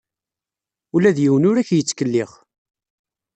Ula d yiwen ur ak-yettkellix.